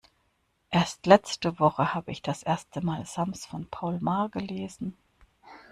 Erst letzte Woche habe ich das erste mal Sams von Paul Maar gelesen.